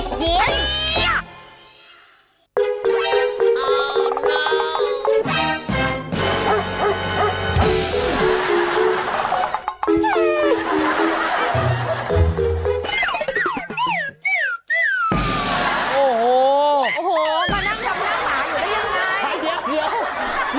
ถ้าเยี่ยมเดี๋ยว